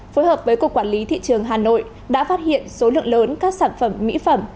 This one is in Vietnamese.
phối hợp với cục quản lý thị trường hà nội đã phát hiện số lượng lớn các sản phẩm mỹ phẩm